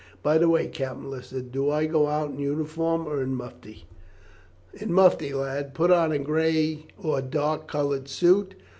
"By the way, Captain Lister, do I go out in uniform or in mufti?" "In mufti, lad. Put on a gray or dark coloured suit.